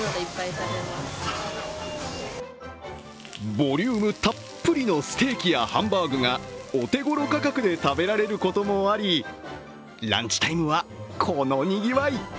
ボリュームたっぷりのステーキやハンバーグがお手ごろ価格で食べられることもありランチタイムはこのにぎわい。